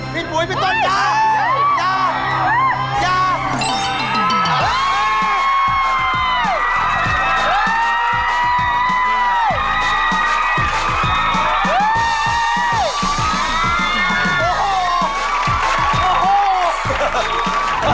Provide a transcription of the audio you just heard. พี่บุ๊ยพี่ต้นยา